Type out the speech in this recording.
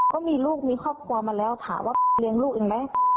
ก็มีลูกมีครอบครัวมาแล้วถามว่าเลี้ยงลูกเองไหม